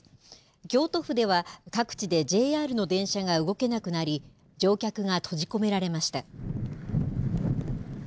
京都府では、各地でＪＲの電車が動けなくなり、乗客が閉じ込められました。